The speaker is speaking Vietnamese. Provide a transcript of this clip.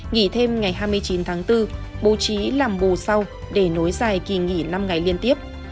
nghỉ thêm ngày hai mươi chín tháng bốn bố trí làm bù sau để nối dài kỳ nghỉ năm ngày liên tiếp